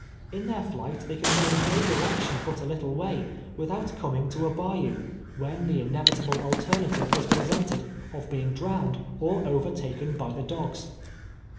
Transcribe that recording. In their flight they can go in no direction but a little way without coming to a bayou, when the inevitable alternative is presented, of being disowned or overtaken by the dogs.